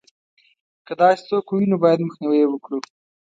که داسې څوک ووینو باید مخنیوی یې وکړو.